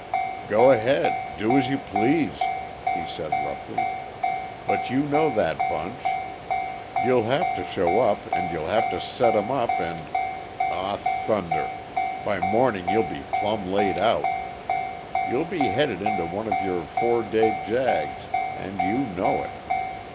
"Go ahead do as you please," he said roughly. "But you know that bunch. You'll have to show up, and you'll have to set 'em up, and aw, thunder! By morning you'll be plumb laid out. You'll be headed into one of your four day jags, and you know it.